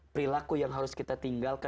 perilaku yang harus kita tinggalkan